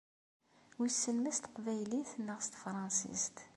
Wissen ma s teqbaylit neɣ s tefransist.